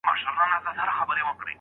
که مانا وي نو سواد پوره دی.